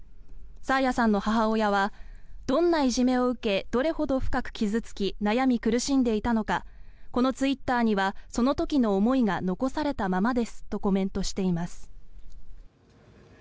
爽彩さんの母親はどんないじめを受けどれほど深く傷付き悩み苦しんでいたのかこのツイッターにはその時の思いが残されたままですとコメントしています。